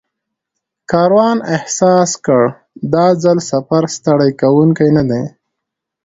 کاروان احساس کړ دا ځل سفر ستړی کوونکی نه دی.